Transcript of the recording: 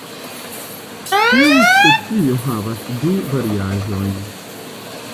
Tiu specio havas du variaĵojn.